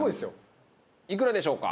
いくらでしょうか？